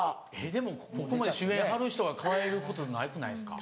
でもここまで主演張る人変えることなくないですか？